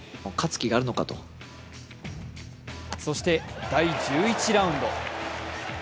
そして第１１ラウンド。